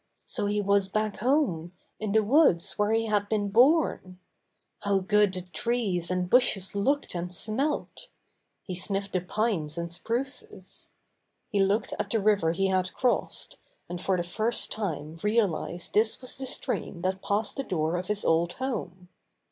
So he was back home, in the woods where had been born ! How good the trees and bushes looked and smelt! He sniffed the pines and spruces. He looked at the river he had crossed, and for the first time realized this was the stream that passed the door of his old home.